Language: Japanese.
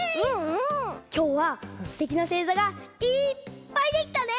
きょうはすてきなせいざがいっぱいできたね。